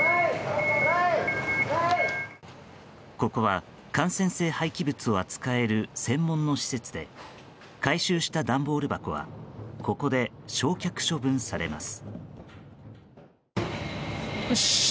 ここは感染性廃棄物を扱える専門の施設で回収した段ボール箱はここで焼却処分されます。